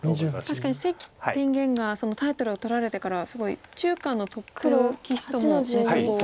確かに関天元がタイトルを取られてからすごい中韓のトップ棋士ともネット碁を。